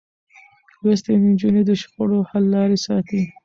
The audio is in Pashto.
لوستې نجونې د شخړو حل لارې ساتي.